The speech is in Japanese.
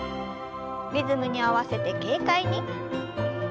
リズムに合わせて軽快に。